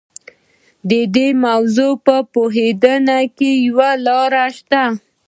د دې موضوع په پوهېدو کې یوه لاره شته.